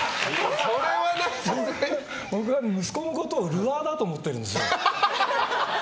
僕は息子のことをルアーだと思ってるんですよ。